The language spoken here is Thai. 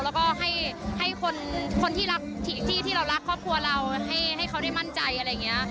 แล้วก็ให้คนที่รักที่เรารักครอบครัวเราให้เขาได้มั่นใจอะไรอย่างนี้